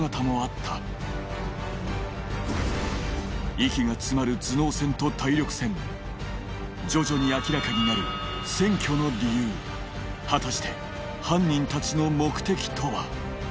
息が詰まる徐々に明らかになる占拠の理由果たして犯人たちの目的とは？